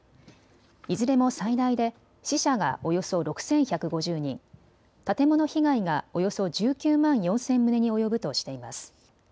いずれも最大で死者がおよそ６１５０人、建物被害がおよそ１９万４０００棟に及ぶとしています。